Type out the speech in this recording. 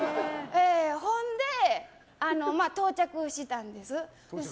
ほんで、到着したんです。